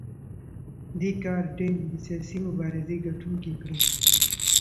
دې کار دینګ د سیاسي مبارزې ګټونکي کړل.